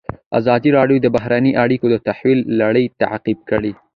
ازادي راډیو د بهرنۍ اړیکې د تحول لړۍ تعقیب کړې.